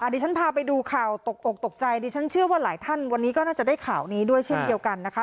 ดิฉันพาไปดูข่าวตกอกตกใจดิฉันเชื่อว่าหลายท่านวันนี้ก็น่าจะได้ข่าวนี้ด้วยเช่นเดียวกันนะคะ